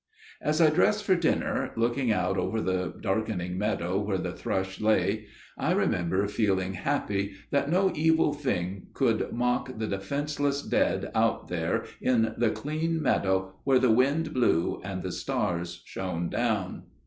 "As I dressed for dinner, looking out over the darkening meadow where the thrush lay, I remember feeling happy that no evil thing could mock the defenceless dead out there in the clean meadow where the wind blew and the stars shone down."